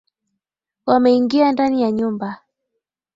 Wameingia ndani ya nyumba